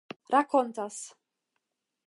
rakontas